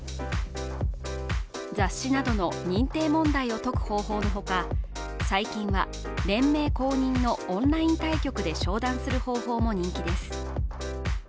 雑誌などの認定問題を解く方法のほか、最近は、連盟公認のオンライン対局で昇段する方法も人気です。